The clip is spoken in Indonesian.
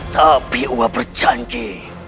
tapi aku berjanji